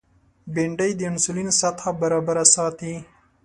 بېنډۍ د انسولین سطحه برابره ساتي